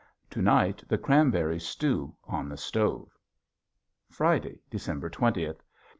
To night the cranberries stew on the stove. Friday, December twentieth.